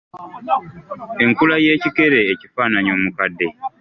Enkula y’ekikere ekifaananya omukadde.